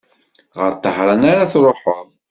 Ɣer Tahran ara truḥeḍ?